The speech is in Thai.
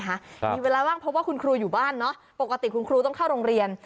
มีเวลาว่างเพราะว่าคุณครูอยู่บ้านเนาะปกติคุณครูต้องเข้าโรงเรียน